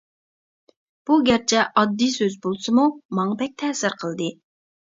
بۇ گەرچە ئاددىي سۆز بولسىمۇ، ماڭا بەك تەسىر قىلدى.